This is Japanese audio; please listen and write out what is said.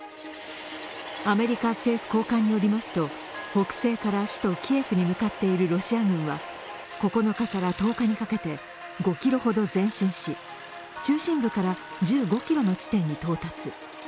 アメリカ政府高官によりますと、北西から首都キエフに向かっているロシア軍は、９日から１０日にかけて５ｋｍほど前進し中心部から１５ｋｍの地点に到達。